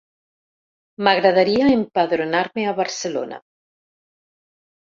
M'agradaria empadronar-me a Barcelona.